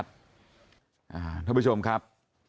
ทุกคนผู้ชมครับ